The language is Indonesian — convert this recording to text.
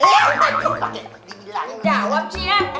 eh pake apa dihilangin jawab sih ya